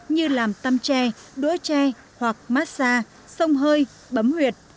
như làm tăm tre đũa tre hoặc massage sông hơi bấm huyệt